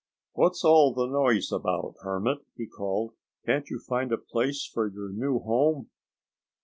"What's all the noise about, Hermit?" he called. "Can't you find a place for your new home?"